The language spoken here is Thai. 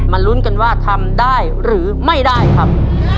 ลุ้นกันว่าทำได้หรือไม่ได้ครับ